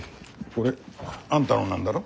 これあんたのなんだろ？